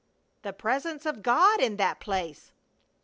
"The Presence of God in that place!"